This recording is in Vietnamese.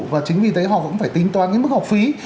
và chính vì thế họ cũng phải tính toán cái mức học phí